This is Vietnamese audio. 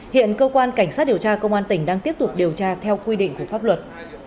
hiện cơ quan cảnh sát điều tra công an tỉnh đang tiếp tục điều tra theo quy định của pháp luật